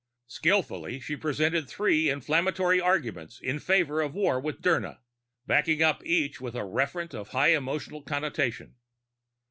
Skillfully she presented three inflammatory arguments in favor of war with Dirna, backing up each with a referent of high emotional connotation.